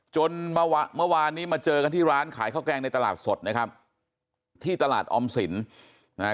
เมื่อวานนี้มาเจอกันที่ร้านขายข้าวแกงในตลาดสดนะครับที่ตลาดออมสินนะฮะ